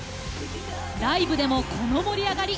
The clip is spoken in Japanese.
ライブでもこの盛り上がり。